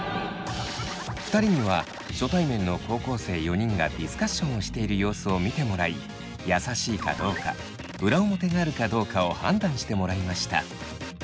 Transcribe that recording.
２人には初対面の高校生４人がディスカッションをしている様子を見てもらい優しいかどうか裏表があるかどうかを判断してもらいました。